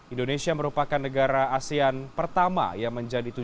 indonesia merupakan negara asean pertama yang menjadi tujuan